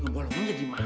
lo boleh jadi mana ya